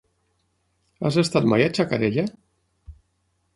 Has estat mai a Xacarella?